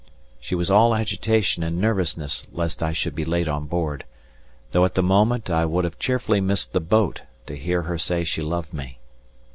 She was all agitation and nervousness lest I should be late on board though at the moment I would have cheerfully missed the boat to hear her say she loved me.